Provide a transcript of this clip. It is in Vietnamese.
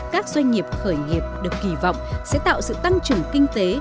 các doanh nghiệp khởi nghiệp được kỳ vọng sẽ tạo sự tăng trưởng kinh tế